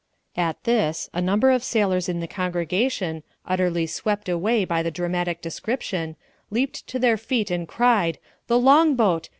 At this a number of sailors in the congregation, utterly swept away by the dramatic description, leaped to their feet and cried: "The longboat!